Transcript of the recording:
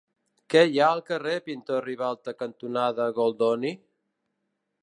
Què hi ha al carrer Pintor Ribalta cantonada Goldoni?